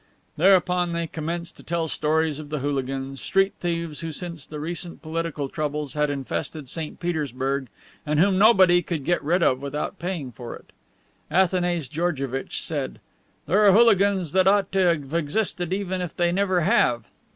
Thereupon they commenced to tell stories of the hooligans, street thieves who since the recent political troubles had infested St. Petersburg and whom nobody, could get rid of without paying for it. Athanase Georgevitch said: "There are hooligans that ought to have existed even if they never have.